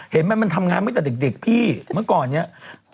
เห็นไหมมันทำงานตั้งแต่เด็กพี่เมื่อก่อนเนี่ย